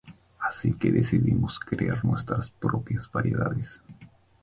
Así que decidimos crear nuestras propias variedades.